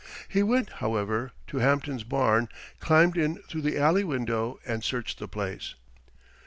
He went, however, to Hampton's barn, climbed in through the alley window, and searched the place.